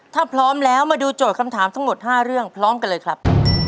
ถ้าพร้อมแล้วมาดูโจทย์คำถามทั้งหมด๕เรื่องพร้อมกันเลยครับ